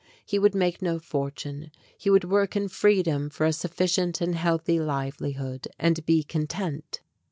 He would make no fortune he would work in freedom for a sufficient and healthy livelihood, and be content.